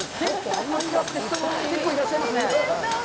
人が結構いらっしゃいますね。